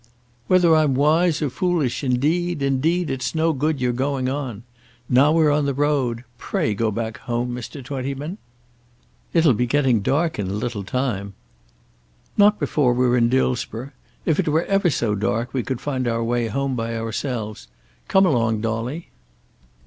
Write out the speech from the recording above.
"Whether I'm wise or foolish, indeed, indeed, it's no good your going on. Now we're on the road. Pray go back home, Mr. Twentyman." "It'll be getting dark in a little time." "Not before we're in Dillsborough. If it were ever so dark we could find our way home by ourselves. Come along, Dolly."